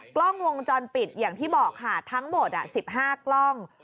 กล้องวงจรปิดอย่างที่บอกค่ะทั้งหมด๑๕กล้อง